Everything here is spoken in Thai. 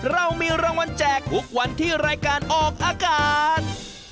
เรามีรางวัลแจกทุกวันที่รายการออกอากาศ